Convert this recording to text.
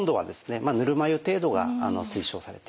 ぬるま湯程度が推奨されています。